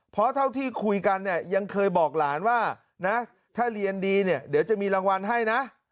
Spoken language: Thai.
เพราะเท่าที่คุยกันเนี่ยยังเคยบอกหลานว่านะถ้าเรียนดีเนี่ยเดี๋ยวจะมีรางวัลให้นะ